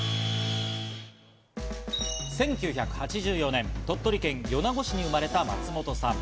１９８４年、鳥取県米子市に生まれた松本さん。